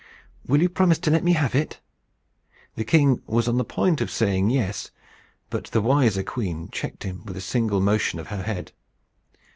"Will you promise to let me have it?" The king was on the point of saying Yes, but the wiser queen checked him with a single motion of her head.